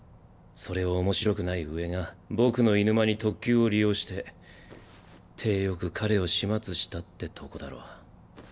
それを面白くない上が僕のいぬ間に特級を利用して体よく彼を始末したってとこだろう。